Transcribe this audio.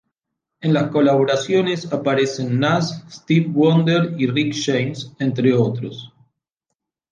En las colaboraciones aparecen Nas, Stevie Wonder y Rick James, entre otros.